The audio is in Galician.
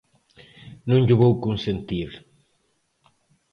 ¡Non llo vou consentir!